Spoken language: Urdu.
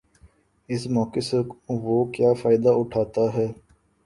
اس موقع سے وہ کیا فائدہ اٹھاتا ہے۔